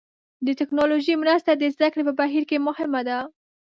د ټکنالوژۍ مرسته د زده کړې په بهیر کې مهمه ده.